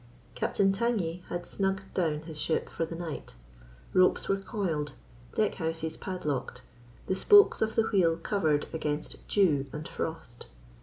Captain Tangye had snugged down his ship for the night: ropes were coiled, deckhouses padlocked, the spokes of the wheel covered against dew and frost.